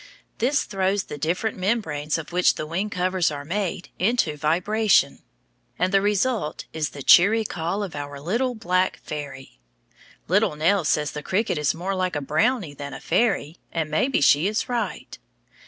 This throws the stiff membranes of which the wing covers are made into vibration, and the result is the cheery call of our little black fairy. Little Nell says the cricket is more like a brownie than a fairy, and maybe she is right.